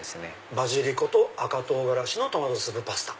バジリコと赤唐辛子のトマトスープパスタ。